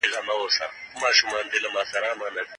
لويه جرګه تل د هېواد ژغورلو لپاره کار کوي.